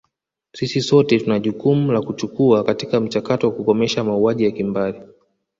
Sisi sote tuna jukumu la kuchukua katika mchakato wa kukomesha mauaji ya kimbari